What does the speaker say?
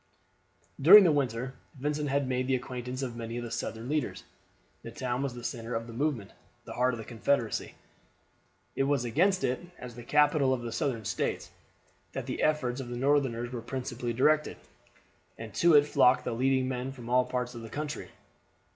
During the winter Vincent had made the acquaintance of many of the Southern leaders. The town was the center of the movement, the heart of the Confederacy. It was against it, as the capital of the Southern States, that the efforts of the Northerns were principally directed, and to it flocked the leading men from all parts of the country.